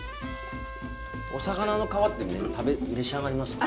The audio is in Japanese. お魚の皮って召し上がります？